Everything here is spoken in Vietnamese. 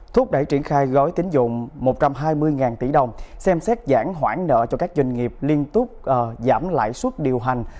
thuốc đẩy triển khai gói tín dụng một trăm hai mươi tỷ đồng xem xét giãn hoãn nợ cho các doanh nghiệp liên tục giảm lại suất điều hành